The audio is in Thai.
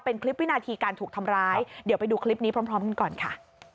เป็นคลิปวินาทีการถูกทำร้ายเดี๋ยวไปดูคลิปนี้พร้อมกันก่อนค่ะ